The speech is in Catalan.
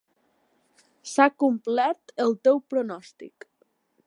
S'ha complert el teu pronòstic.